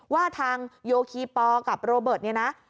ว่าทางโยคีปอลกับโรเบิร์ตเนี่ยนะ